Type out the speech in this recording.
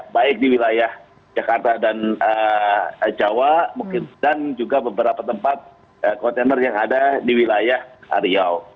baik di wilayah jakarta dan jawa dan juga beberapa tempat kontainer yang ada di wilayah riau